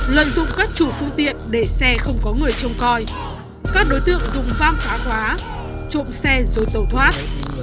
lợi dụng các chủ phương tiện để xe không có người trông coi các đối tượng dùng pham phá khóa trộm xe rồi tàu thoát